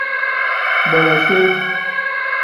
Bolosiv.